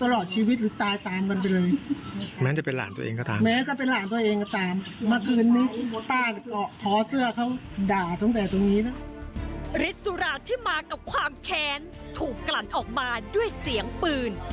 ฤทธิ์สุราที่มากับความแค้นถูกกลั่นออกมาด้วยเสียงปืน